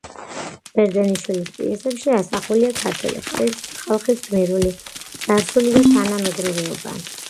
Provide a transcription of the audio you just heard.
ბერძენიშვილის პიესებში ასახულია ქართველი ხალხის გმირული წარსული და თანამედროვეობა.